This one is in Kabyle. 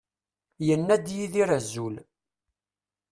Yenna-d Yidir azul.